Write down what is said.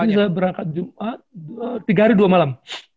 jadi saya berangkat jumat tiga hari dua malam